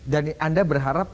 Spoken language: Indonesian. dan anda berharap